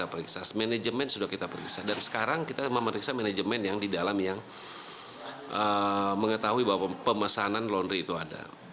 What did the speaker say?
pemeriksa manajemen yang di dalam yang mengetahui bahwa pemesanan laundry itu ada